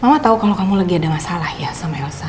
mama tahu kalau kamu lagi ada masalah ya sama elsa